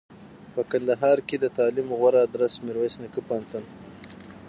په کندهار کښي دتعلم غوره ادرس میرویس نیکه پوهنتون